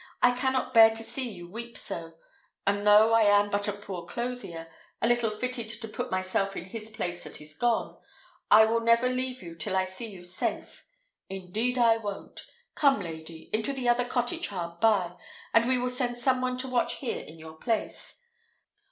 I cannot bear to see you weep so; and though I am but a poor clothier, and little fitted to put myself in his place that is gone, I will never leave you till I see you safe. Indeed I won't! Come, lady, into the other cottage hard by, and we will send some one to watch here in your place.